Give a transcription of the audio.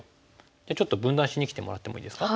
じゃあちょっと分断しにきてもらってもいいですか。